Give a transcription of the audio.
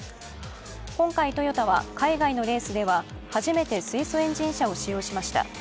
今回、トヨタは海外のレースでは初めて水素エンジン車を使用しました。